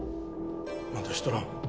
まだしとらん